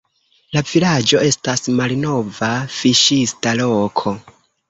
La vilaĝo estas malnova fiŝista loko.